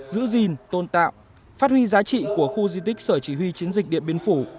giữ gìn tôn tạo phát huy giá trị của khu di tích sở chỉ huy chiến dịch điện biên phủ